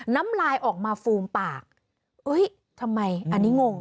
น้ำลายออกมาฟูมปากเอ้ยทำไมอันนี้งง